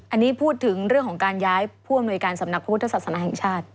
อันนี้พูดถึงเรื่องของการย้ายผู้อำนวยการสำนักพระพุทธศาสนาแห่งชาติ